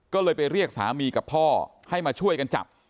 ก็เลยไปเรียกสามีกับพ่อให้มาช่วยกันจับ